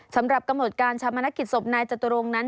สำหรับกำหนดการชะมะนักกิจสมทรณะจตรงนั้น